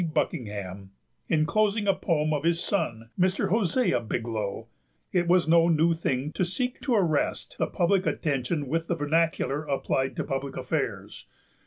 Buckingham, inclosing a poem of his son, Mr. Hosea Biglow. It was no new thing to seek to arrest the public attention with the vernacular applied to public affairs.